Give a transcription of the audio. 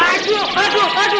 aduh aduh aduh sakit ini